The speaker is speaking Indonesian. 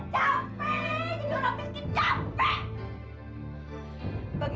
jadi orang miskin capek